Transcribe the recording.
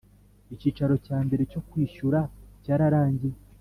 Icyiciro cya mbere cyo Kwishyura cyararangiye